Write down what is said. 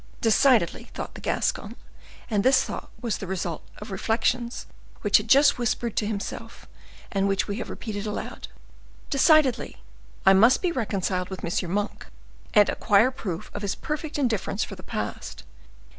"Decidedly," thought the Gascon; and this thought was the result of the reflections which he had just whispered to himself and which we have repeated aloud—"decidedly, I must be reconciled with M. Monk, and acquire proof of his perfect indifference for the past.